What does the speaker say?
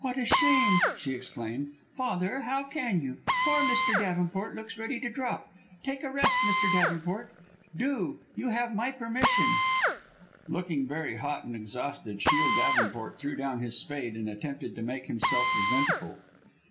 "What a shame," she exclaimed, "Father how can you? Poor Mr. Davenport looks ready to drop. Take a rest, Mr. Davenport! Do you have my permission." Looking very hot and exhausted, Shiel Davenport threw down his spade and attempted to make himself presentable.